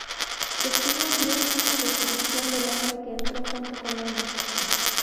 Testigos dieron una descripción del hombre que entró junto con ella.